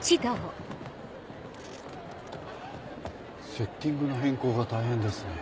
セッティングの変更が大変ですね。